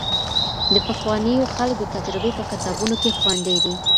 د پخوانيو خلګو تجربې په کتابونو کي خوندي دي.